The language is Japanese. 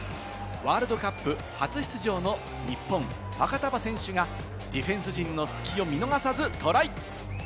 ワールドカップ初出場の日本、ファカタヴァ選手がディフェンス陣の隙を見逃さず、トライ。